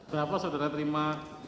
berapa saudara terima